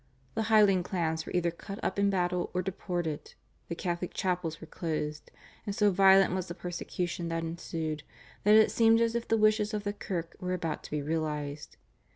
The Highland clans were either cut up in battle or deported; the Catholic chapels were closed, and so violent was the persecution that ensued that it seemed as if the wishes of the kirk were about to be realised.